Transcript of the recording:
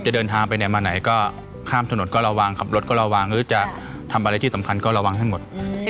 เดินทางไปไหนมาไหนก็ข้ามถนนก็ระวังขับรถก็ระวังหรือจะทำอะไรที่สำคัญก็ระวังให้หมด